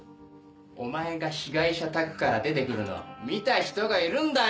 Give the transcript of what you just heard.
お前が被害者宅から出て来るのを見た人がいるんだよ。